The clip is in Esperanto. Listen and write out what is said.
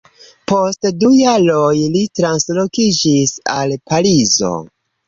Post du jaroj li translokiĝis al Parizo.